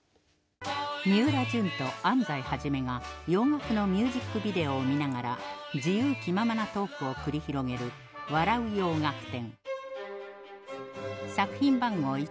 みうらじゅんと安齋肇が洋楽のミュージックビデオを見ながら自由気ままなトークを繰り広げる「笑う洋楽展」